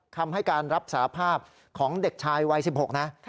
คำให้การรับสารภาพของเด็กชายวัย๑๖นะ